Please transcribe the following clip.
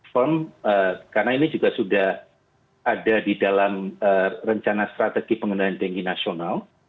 karena ini juga sudah ada di dalam rencana strategi pengendalian denggi nasional